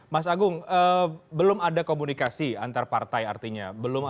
mas agung belum ada komunikasi antar partai artinya